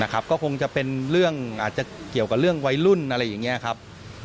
ก็คงจะเป็นเรื่องอาจจะเกี่ยวกับเรื่องวัยรุ่นอะไรอย่างนี้ครับ